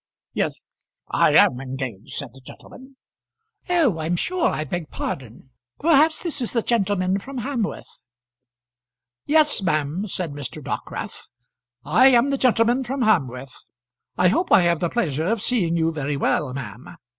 "Yes, I am engaged," said the gentleman. "Oh, I'm sure I beg pardon. Perhaps this is the gentleman from Hamworth?" "Yes, ma'am," said Mr. Dockwrath. "I am the gentleman from Hamworth. I hope I have the pleasure of seeing you very well, ma'am?"